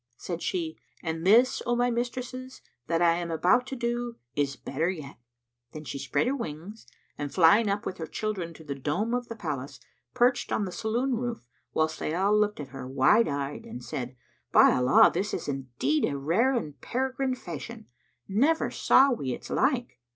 Said she, "And this, O my mistresses, that I am about to do is better yet." Then she spread her wings and flying up with her children to the dome of the palace, perched on the saloon roof whilst they all looked at her, wide eyed and said, "By Allah, this is indeed a rare and peregrine fashion! Never saw we its like."